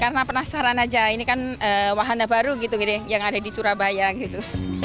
karena penasaran aja ini kan wahana baru gitu yang ada di surabaya gitu